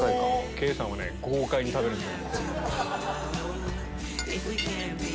圭さんは豪快に食べるんです。